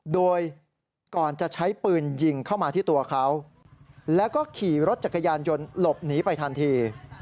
โดยก่อนจะใช้ปืนยิงเข้ามาที่ตัวเขาแล้วก็ขี่รถจักรยานยนต์หลบหนีไปทันที